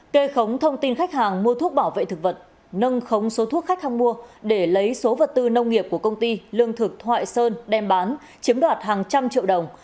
kê khống thông tin khách hàng mua thuốc bảo vệ thực vật nâng khống số thuốc khách hàng mua để lấy số vật tư nông nghiệp của công ty lương thực thoại sơn đem bán chiếm đoạt hàng trăm triệu đồng